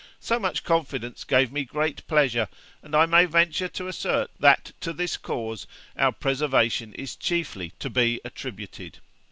So much confidence gave me great pleasure, and I may venture to assert that to this cause our preservation is chiefly to be attributed.